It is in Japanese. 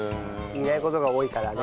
いない事が多いからね。